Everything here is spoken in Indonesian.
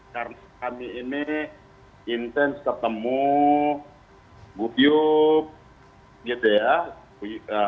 karena kami ini intens ketemu bukyuk gitu ya